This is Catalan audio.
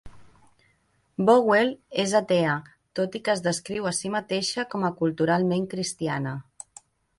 Vowell és atea, tot i que es descriu a si mateixa com a culturalment cristiana.